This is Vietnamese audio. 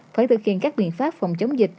phải thực hiện các biện pháp phòng chống dịch